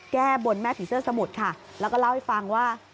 แก้บนแม่ผีเสื้อสมุทรค่ะแล้วก็เล่าให้ฟังว่า